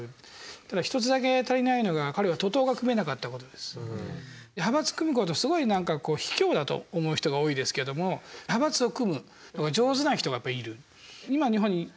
ただ一つだけ足りないのが派閥組むことはすごい何かひきょうだと思う人が多いですけども派閥を組むのが上手な人がやっぱりいる。